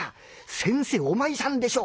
先生お前さんでしょ。